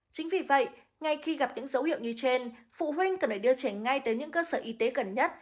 chính vì vậy ngay khi gặp những dấu hiệu như trên phụ huynh cần phải đưa trẻ ngay tới những cơ sở y tế gần nhất